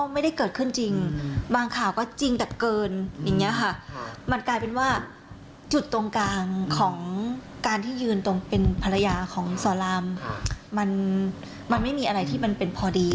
มันไม่มีอะไรที่มันเป็นพอดี